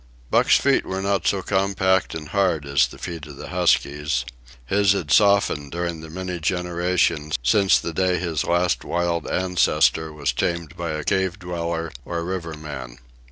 Buck's feet were not so compact and hard as the feet of the huskies. His had softened during the many generations since the day his last wild ancestor was tamed by a cave dweller or river man.